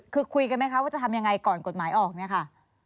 คือคุยกันไหมคะว่าจะทำยังไงก่อนกฎหมายออกเนี่ยค่ะ